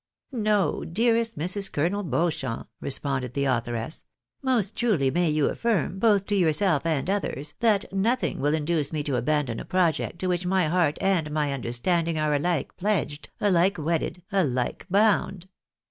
"" No, dearest Mrs. Colonel Beauchamp," responded the authoress ;" most truly may you affirm, both to yourself and others, that nothing wiU induce me to abandon a project to which my heart and my understanding are ahke pledged, alike wedded, aUke bound